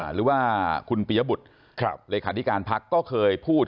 หรือว่าคุณปียบุทค์ครับรายขาดิการพรรคก็เคยพูด